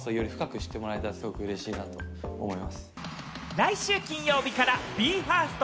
来週金曜日からＢＥ：ＦＩＲＳＴ